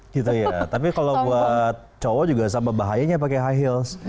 gitu ya tapi kalau buat cowok juga sama bahayanya pakai high heels